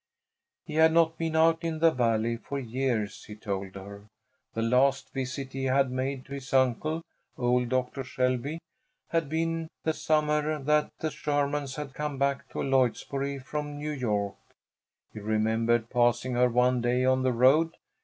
He had not been out in the Valley for years, he told her. The last visit he had made to his uncle, old Doctor Shelby, had been the summer that the Shermans had come back to Lloydsboro from New York. He remembered passing her one day on the road.